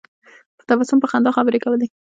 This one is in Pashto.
په تبسم په خندا خبرې کولې.